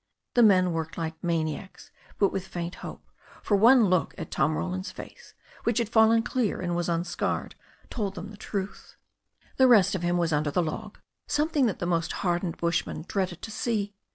The men worked like maniacs, but with faint hope, for one look at Tom Roland's face, which had fallen clear and was unscarred, told them the truth. The rest of him was under the log, something that the most hardened bushman dreaded to see.